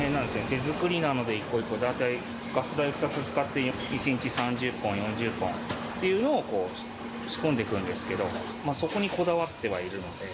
手作りなんで、一個一個、大体ガス台２つ使って、１日３０本、４０本っていうのを仕込んでくんですけど、そこにこだわってはいるので。